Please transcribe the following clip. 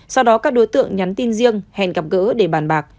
sau đó các đối tượng nhắn tin riêng hẹn gặp gỡ để bàn bạc